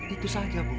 itu saja bung